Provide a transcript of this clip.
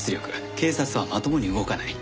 警察はまともに動かない。